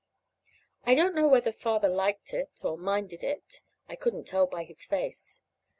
I don't know whether Father liked it, or minded it. I couldn't tell by his face.